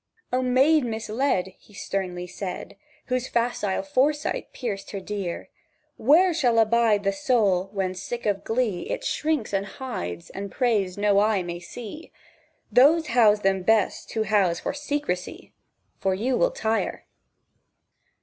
"O maid misled!" He sternly said, Whose facile foresight pierced her dire; "Where shall abide the soul when, sick of glee, It shrinks, and hides, and prays no eye may see? Those house them best who house for secrecy, For you will tire."